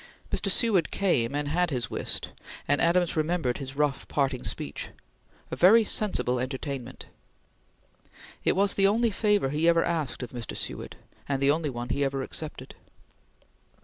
Mr. Seward came and had his whist, and Adams remembered his rough parting speech: "A very sensible entertainment!" It was the only favor he ever asked of Mr. Seward, and the only one he ever accepted.